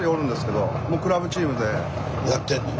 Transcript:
やってんねん。